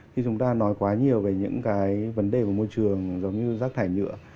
khi chúng ta nói quá nhiều về những cái vấn đề của môi trường giống như rác thải nhựa